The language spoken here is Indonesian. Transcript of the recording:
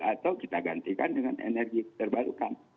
atau kita gantikan dengan energi terbarukan